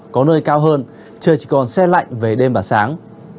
có nơi cao hơn trời chỉ còn xe lạnh về đêm và sáng